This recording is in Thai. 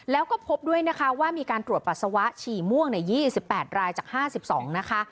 แล้วก็พบด้วยนะคะว่ามีการตรวจปัสสาวะฉี่ม่วงใน๒๘รายจาก๕๒นะคะ